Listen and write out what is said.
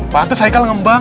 patus haikal ngembang